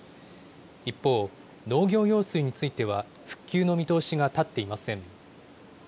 一方、農業用水については、復旧の見通しが立っていません。